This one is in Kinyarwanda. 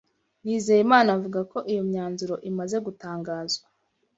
Nizeyimana avuga ko iyo myanzuro imaze gutangazwa